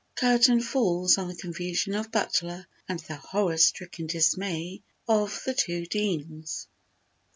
Curtain falls on the confusion of Butler and the horror stricken dismay of the two deans.